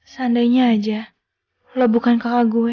seandainya aja lo bukan kakak gue